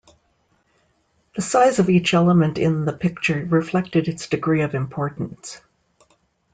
The size of each element in the picture reflected its degree of importance.